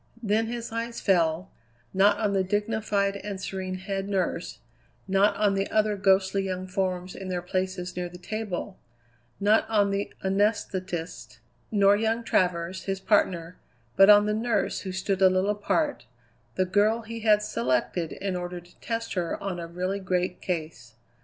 Then his eye fell, not on the dignified and serene head nurse, not on the other ghostly young forms in their places near the table, not on the anesthetist, nor young Travers, his partner, but on the nurse who stood a little apart, the girl he had selected in order to test her on a really great case.